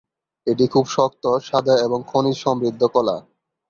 এটি খুব শক্ত, সাদা, এবং খনিজ সমৃদ্ধ কলা।